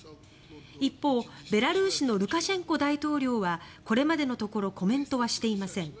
一方、ベラルーシのルカシェンコ大統領はこれまでのところコメントはしていません。